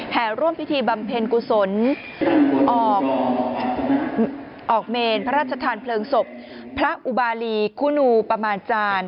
ร่วมพิธีบำเพ็ญกุศลออกเมนพระราชทานเพลิงศพพระอุบาลีคุณูประมาณจารย์